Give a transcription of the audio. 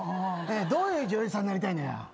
どういう女優さんになりたいの？